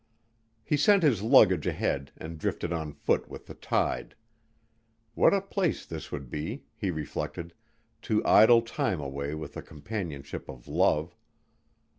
He sent his luggage ahead and drifted on foot with the tide. What a place this would be, he reflected, to idle time away with the companionship of love.